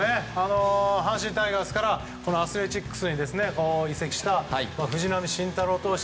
阪神タイガースからアスレチックスに移籍した藤浪晋太郎投手。